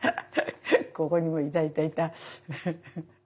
ここにもいたいたいた。